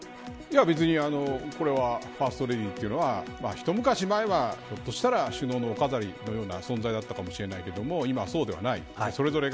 別にこれはファーストレディーというのは一昔前はひょっとしたら首相のお飾りのような存在だったかもしれないけれども今はそうではない。